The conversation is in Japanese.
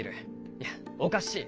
いやおかしい